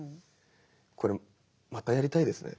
これまたやりたいですね。